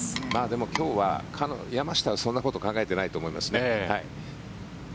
でも、今日は山下はそんなこと考えていないと思いますね。